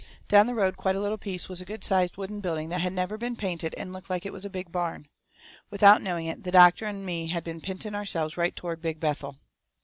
Down the road quite a little piece was a good sized wooden building that never had been painted and looked like it was a big barn. Without knowing it the doctor and me had been pinting ourselves right toward Big Bethel.